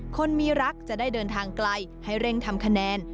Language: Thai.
คนมีรักจะได้เดินทางไกลให้เร่งทำคะแนน